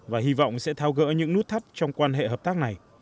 và hy vọng sẽ thao gỡ những nút thắt trong quan hệ hợp tác này